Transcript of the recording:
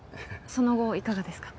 その後いかがですか？